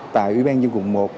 tại ủy ban dân quận một